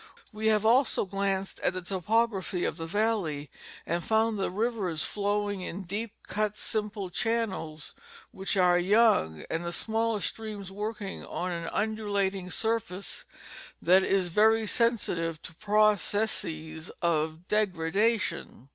We have also glanced at the topography of the valley and have found the rivers flowing in deep cut simple channels which are young, and the smaller streams working on an undulating surface that is very sensitive to processes of degradation.